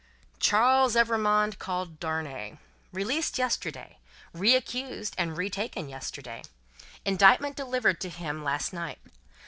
Charles Evrémonde, called Darnay. Released yesterday. Reaccused and retaken yesterday. Indictment delivered to him last night.